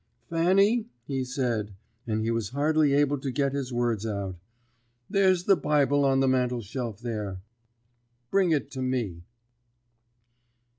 "'Fanny,' he said and he was hardly able to get his words out 'there's the Bible on the mantelshelf, there. Bring it to me.'"